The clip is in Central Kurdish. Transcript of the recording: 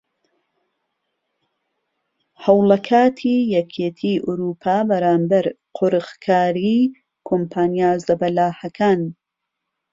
هەوڵەکاتی یەکیەتی ئەوروپا بەرامبەر قۆرغکاری کۆمپانیا زەبەلاحەکان